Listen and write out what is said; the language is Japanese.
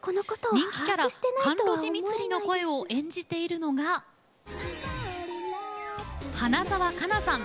人気キャラ甘露寺蜜璃の声を演じているのが花澤香菜さん。